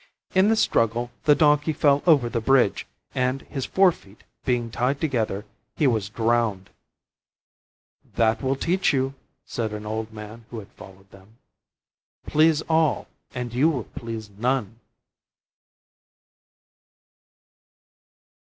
In the struggle the Donkey fell over the bridge, and his fore feet being tied together he was drowned. "That will teach you," said an old man who had followed them: "Please all, and you will please none."